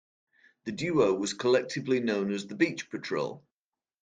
The duo was collectively known as The Beach Patrol.